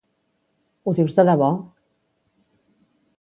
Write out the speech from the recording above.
Ho dius de debò?